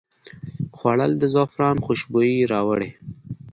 خوړل د زعفران خوشبويي راوړي